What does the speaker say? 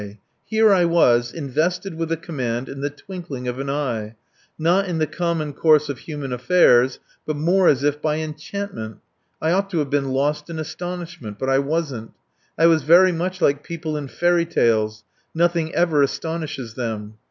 Here I was, invested with a command in the twinkling of an eye, not in the common course of human affairs, but more as if by enchantment. I ought to have been lost in astonishment. But I wasn't. I was very much like people in fairy tales. Nothing ever astonishes them.